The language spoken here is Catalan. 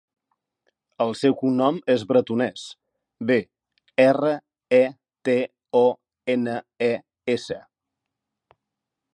El seu cognom és Bretones: be, erra, e, te, o, ena, e, essa.